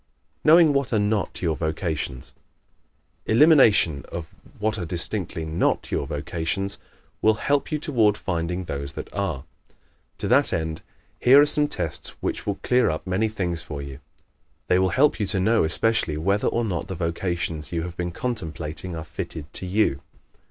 Knowing What are Not Your Vocations ¶ Elimination of what are distinctly NOT your vocations will help you toward finding those that ARE. To that end here are some tests which will clear up many things for you. They will help you to know especially whether or not the vocations you have been contemplating are fitted to you.